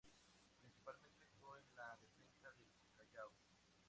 Principalmente, actuó en la defensa del Callao.